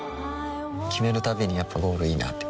決めるたびにやっぱゴールいいなってふん